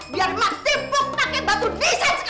biar mak tipu pake batu desain sekalian